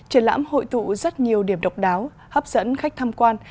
triển lãm hội tụ rất nhiều điểm độc đáo hấp dẫn khách tham quan